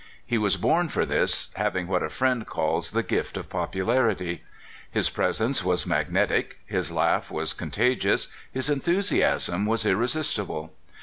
He was born for this, having what a friend calls the gift of popularity. His presence was magnetic ; his laugh was conta gious ; his enthusiasm was irresistible.